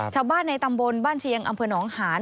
ชาวบ้านในตำบลบ้านเชียงอำเภอหนองหาน